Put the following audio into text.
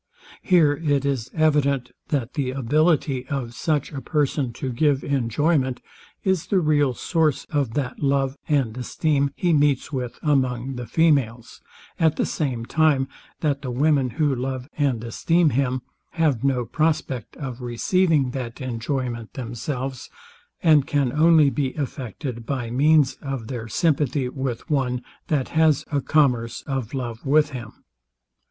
Here it is evident, that the ability of such a person to give enjoyment, is the real source of that love and esteem he meets with among the females; at the same time that the women, who love and esteem him, have no prospect of receiving that enjoyment themselves, and can only be affected by means of their sympathy with one, that has a commerce of love with him.